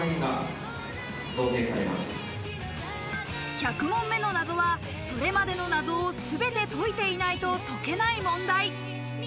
１００問目の謎は、それまでの謎をすべて解いていないと解けない問題。